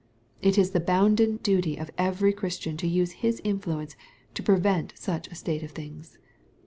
It is the bounden duty of every Christian to use his influence to prevent such a state of things.